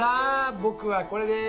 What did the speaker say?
僕はこれです！